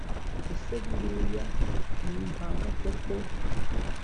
Ese buriya n’impanga koko